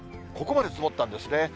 ここまで積もったんですね。